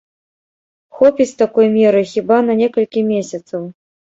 Хопіць такой меры, хіба, на некалькі месяцаў.